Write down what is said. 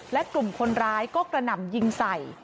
และกลุ่มคนร้ายก็กระหน่ำยิงใส่